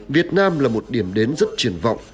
việt nam là một điểm đến rất triển vọng